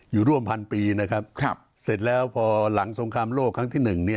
อยู่ร่วมพันปีนะครับเสร็จแล้วพอหลังสงครามโลกครั้งที่๑